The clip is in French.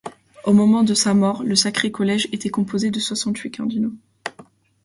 Au moment de sa mort, le Sacré-Collège était composé de soixante-huit cardinaux.